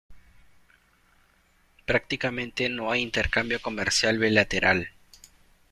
Prácticamente no hay intercambio comercial bilateral.